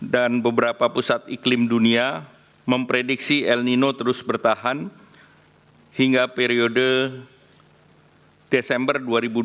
dan beberapa pusat iklim dunia memprediksi el nino terus bertahan hingga periode desember dua ribu dua puluh tiga